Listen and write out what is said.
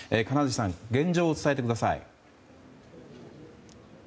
金指さん現状を伝えてください。